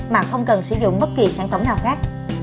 mà không cần sử dụng bất kỳ sản phẩm nào khác